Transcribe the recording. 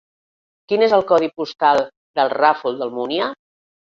Quin és el codi postal del Ràfol d'Almúnia?